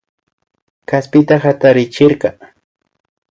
Kaspita hatarichirka